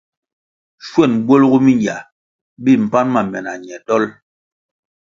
Schwen bwelgu mingya mi mpan ma me na ñe dol.